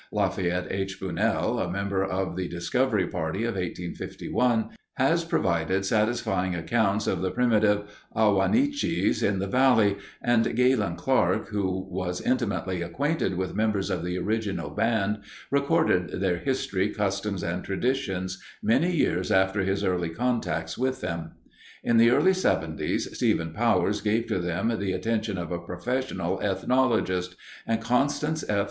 Lafayette H. Bunnell, a member of the "discovery" party of 1851, has provided satisfying accounts of the primitive Ah wah nee chees in the valley, and Galen Clark, who was intimately acquainted with members of the original band, recorded their history, customs, and traditions many years after his early contacts with them. In the early 'seventies, Stephen Powers gave to them the attention of a professional ethnologist, and Constance F.